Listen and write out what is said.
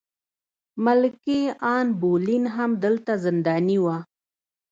ملکې ان بولین هم دلته زنداني وه.